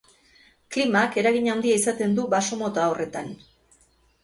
Klimak eragin handia izaten du baso mota horretan.